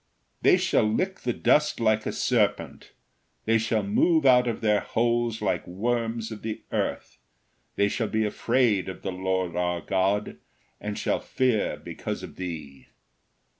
"They shall lick the dust like a serpent, they shall move out of their holes like worms of the earth; they shall be afraid of the Lord our God and shall fear because of thee."